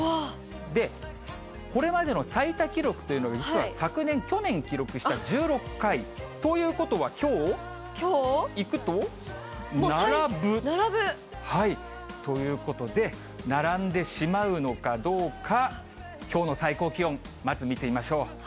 で、これまでの最多記録というのは、実は昨年、去年記録した１６回。ということは、きょう？いくと並ぶということで、並んでしまうのかどうか、きょうの最高気温、まず見てみましょう。